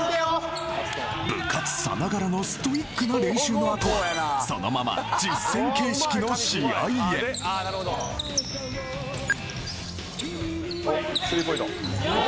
部活さながらのストイックな練習の後はそのまま実戦形式の試合へ・スリーポイント・お。